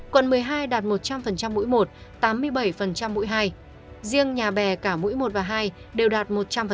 quận một mươi hai đạt một trăm linh mũi một tám mươi bảy mũi hai riêng nhà bè cả mũi một và hai đều đạt một trăm linh